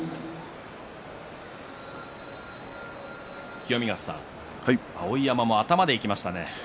清見潟さん、碧山も頭でいきましたね。